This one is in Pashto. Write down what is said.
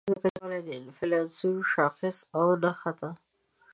د قیمتونو د کچې لوړوالی د انفلاسیون یو شاخص او نښه ده.